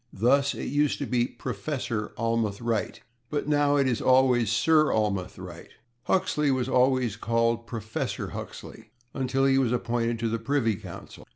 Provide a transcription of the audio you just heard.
Thus, it used to be /Professor/ Almroth Wright, but now it is always /Sir/ Almroth Wright. Huxley was always called /Professor/ Huxley until he was appointed to the Privy Council.